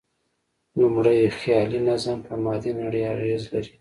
لومړی، خیالي نظم په مادي نړۍ اغېز لري.